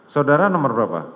saudara nomor berapa